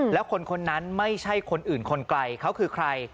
แล้วคนคนนั้นไม่ใช่คนอื่นคนไกลเขาคือใคร